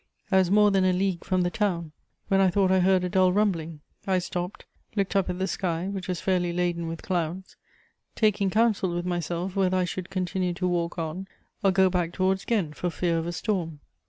I was more than a league from the town, when I thought I heard a dull rumbling: I stopped, looked up at the sky, which was fairly laden with clouds, taking counsel with myself whether I should continue to walk on, or go back towards Ghent for fear of a storm.